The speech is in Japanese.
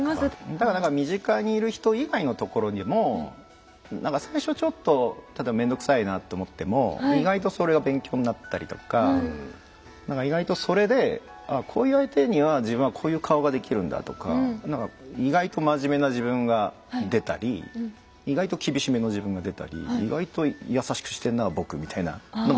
だからなんか身近にいる人以外のところにも最初ちょっと例えば面倒くさいなと思っても意外とそれが勉強になったりとかなんか意外とそれで「こういう相手には自分はこういう顔ができるんだ」とかなんか意外と真面目な自分が出たり意外と厳しめの自分が出たり意外と優しくしてんな僕みたいなのもあったりとか。